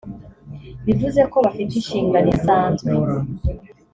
bivuze ko bafite inshingano idasanzwe